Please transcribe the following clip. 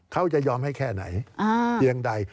การเลือกตั้งครั้งนี้แน่